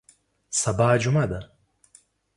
سبا جمعه ده